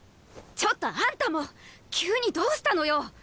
ちょっとあんたも急にどうしたのよ？